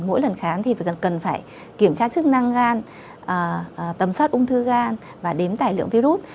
mỗi lần khám thì cần phải kiểm tra chức năng gan tầm soát ung thư gan và đến tài lượng virus